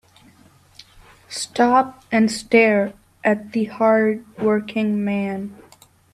Stop and stare at the hard working man.